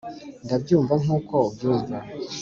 • ndabyumva nk’uko ubyumva.